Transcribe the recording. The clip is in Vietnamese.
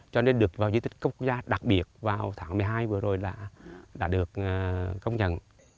cho nên được vào di tích quốc gia đặc biệt vào tháng một mươi hai vừa rồi là đã được công nhận